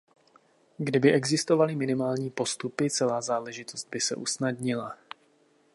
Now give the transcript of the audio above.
Kdyby existovaly minimální postupy, celá záležitost by se usnadnila.